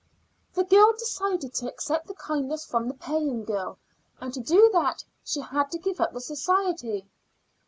"The girl decided to accept the kindness from the paying girl, and to do that she had to give up the society.